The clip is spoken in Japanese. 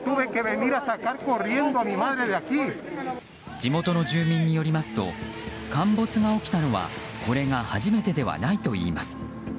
地元の住民によりますと陥没が起きたのはこれが初めてではないといいます。